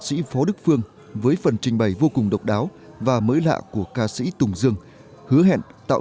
sĩ phó đức phương với phần trình bày vô cùng độc đáo và mới lạ của ca sĩ tùng dương hứa hẹn tạo